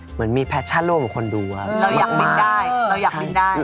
เหมือนมีแพชชั่นร่วมของคนดูอะมากมากเราอยากกินได้